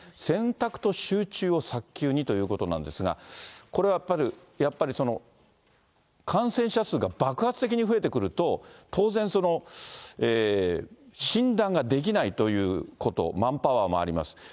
選択と集中を早急にということなんですが、これやっぱり、感染者数が爆発的に増えてくると、当然、診断ができないということ、マンパワーもあります。